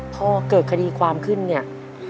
พอเกิดคดีความขึ้นเนี่ย